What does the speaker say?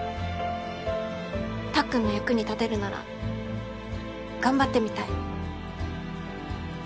たっくんの役に立てるなら頑張ってみたい。